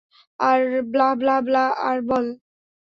আর blah, blah, blah আর বাল।